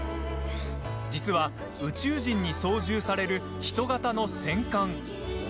実は宇宙人に操縦される人型の戦艦。